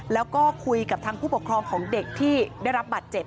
แล้วก็คุยกับทางผู้ปกครองของเด็กที่ได้รับบัตรเจ็บ